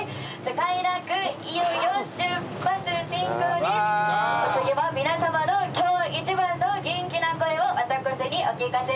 お次は皆さまの今日一番の元気な声を私にお聞かせください。